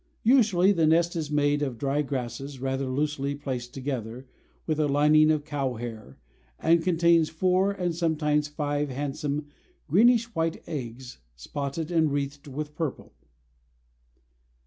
Usually, the nest is made of dry grasses rather loosely placed together, with a lining of cowhair, and contains four and sometimes five handsome greenish white eggs, spotted and wreathed with purple.